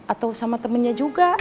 atau sama temennya juga